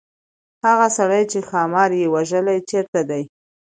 هغه سړی چې ښامار یې وژلی چيرته دی.